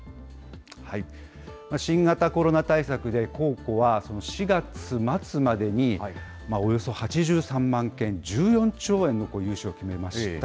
新型コロナ対策で公庫は４月末までにおよそ８３万件、１４兆円の融資を決めました。